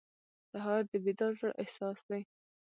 سهار د بیدار زړه احساس دی.